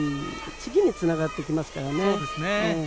次につながってきますからね。